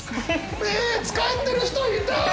使ってる人いた！